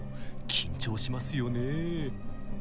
緊張しますよねぇ。